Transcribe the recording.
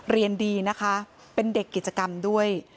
เรียนดีนะคะเป็นเด็กกิจกรรมด้วย